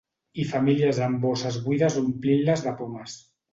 I famílies amb bosses buides omplint-les de pomes.